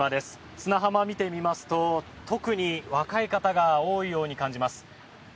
砂浜を見てみますと特に若い方が多いように感じます。